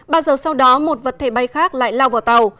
ba giờ sau đó một vật thể bay khác lại lao vào tàu